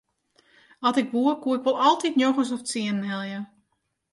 At ik woe koe ik wol altyd njoggens of tsienen helje.